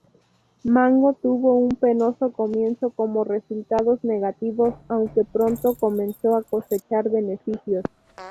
Mango tuvo un penoso comienzo con resultados negativos aunque pronto comenzó a cosechar beneficios.